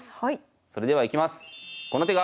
それではいきます！